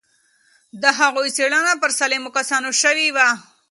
د هغوی څېړنه پر سالمو کسانو شوې وه.